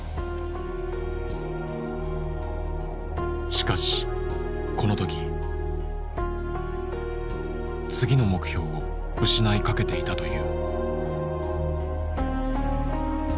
しかしこの時次の目標を失いかけていたという。